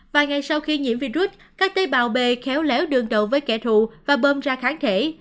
vài ngày sau khi nhiễm virus các tế bào b khéo léo đường đầu với kẻ thù và bơm ra kháng thể